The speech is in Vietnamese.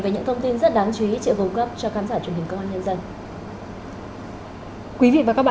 với những thông tin rất đáng chú ý